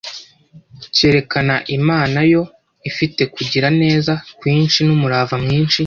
cyerekana Imana Yo “ifite kugira neza kwinshi n’umurava mwinshi